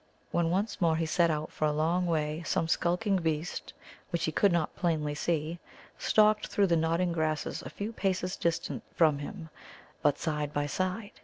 When once more he set out, for a long way some skulking beast which he could not plainly see stalked through the nodding grasses a few paces distant from him, but side by side.